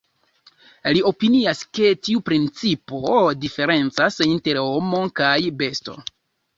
Li opinias, ke tiu principo diferencas inter homo kaj besto.